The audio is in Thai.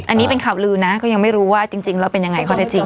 อันนี้เป็นข่าวลือนะก็ยังไม่รู้ว่าจริงแล้วเป็นยังไงข้อเท็จจริง